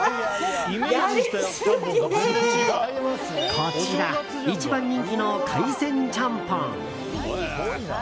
こちら１番人気の海鮮ちゃんぽん。